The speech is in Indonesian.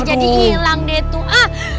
jadi hilang deh tuh